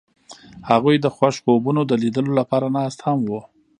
هغوی د خوښ خوبونو د لیدلو لپاره ناست هم وو.